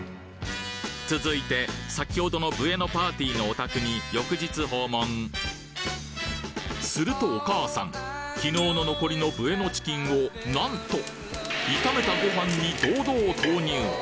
続いて先ほどのブエノパーティーのお宅に翌日訪問するとお母さん昨日の残りのブエノチキンをなんと炒めたご飯に堂々投入！